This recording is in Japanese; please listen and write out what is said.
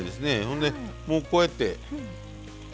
ほんでもうこうやって。